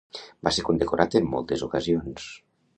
Va ser condecorat en moltes ocasions.